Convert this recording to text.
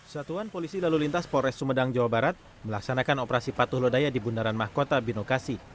satuan polisi lalu lintas polres sumedang jawa barat melaksanakan operasi patuh lodaya di bundaran mahkota binokasi